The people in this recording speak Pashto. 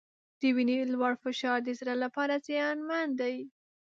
د وینې لوړ فشار د زړه لپاره زیانمن دی.